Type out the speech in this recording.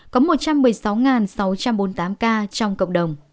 có một trăm một mươi sáu sáu trăm bốn mươi năm ca